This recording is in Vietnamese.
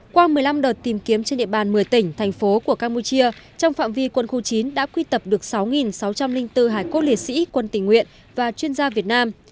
qua một mươi năm đợt tìm kiếm trên địa bàn một mươi tỉnh thành phố của campuchia trong phạm vi quân khu chín đã quy tập được sáu sáu trăm linh bốn hải cốt liệt sĩ quân tình nguyện và chuyên gia việt nam